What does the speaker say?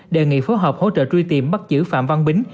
đề nghị phối hợp hỗ trợ truy tìm bắt giữ phạm văn bính